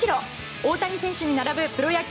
大谷選手に並ぶプロ野球